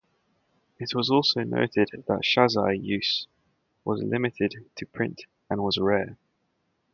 It was also noted that shazai use was limited to print and was rare.